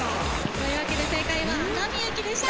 というわけで正解は熱海駅でした。